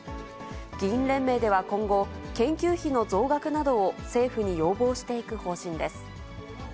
議員連盟では今後、研究費の増額などを政府に要望していく方針です。